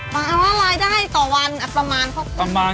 มาอะไรได้ต่อวันก็ประมาณ